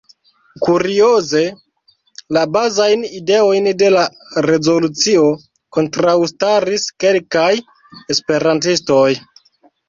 Kurioze, la bazajn ideojn de la rezolucio kontraŭstaris kelkaj esperantistoj.